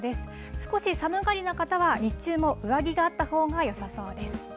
少し寒がりな方は、日中も上着があったほうがよさそうです。